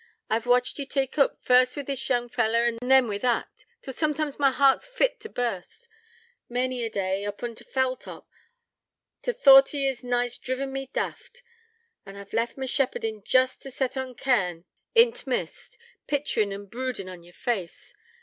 I've watched ye tak oop, first wi' this young fellar, and then wi' that, till soomtimes my heart's fit t' burst. Many a day, oop on t' fell top, t' thought o' ye's nigh driven me daft, and I've left my shepherdin' jest t' set on a cairn in t' mist, picturin' an' broodin' on yer face.